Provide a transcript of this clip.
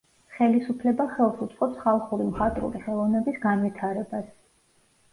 ხელისუფლება ხელს უწყობს ხალხური მხატვრული ხელოვნების განვითარებას.